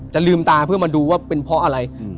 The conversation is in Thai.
ลืมตาเพื่อมาดูว่าเป็นเพราะอะไร